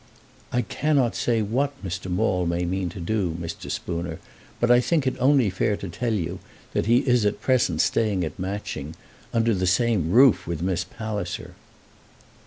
"I cannot say what Mr. Maule may mean to do, Mr. Spooner, but I think it only fair to tell you that he is at present staying at Matching, under the same roof with Miss Palliser."